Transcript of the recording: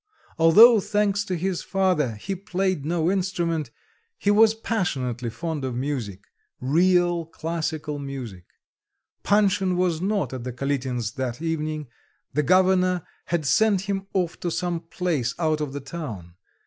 Although thanks to his father, he played no instrument, he was passionately fond of music, real classical music. Panshin was not at the Kalitins' that evening. The governor had sent him off to some place out of the town.